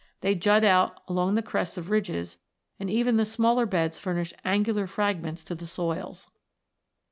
They jut out along the crests of ridges, and even the smaller beds furnish angular fragments to the soils.